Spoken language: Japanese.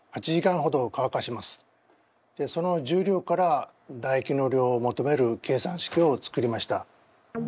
その重量からだ液の量を求める計算式を作りました。